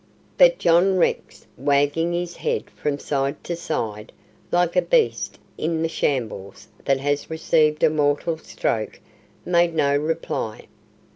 But John Rex, wagging his head from side to side, like a beast in the shambles that has received a mortal stroke, made no reply.